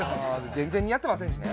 全然似合ってませんしね。